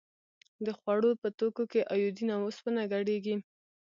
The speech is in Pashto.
د خوړو په توکو کې ایوډین او اوسپنه ګډیږي؟